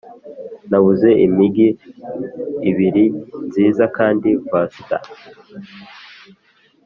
nabuze imigi ibiri, nziza. kandi, vaster,